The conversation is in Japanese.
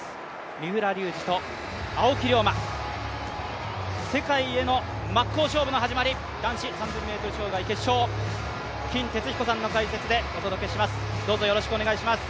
三浦龍司と青木涼真、世界への真っ向勝負の始まり、男子３０００ｍ障害決勝、金哲彦さんの解説でお届けします。